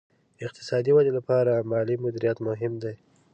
اقتصادي ودې لپاره مالي مدیریت مهم دی.